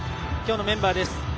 今日のメンバーです。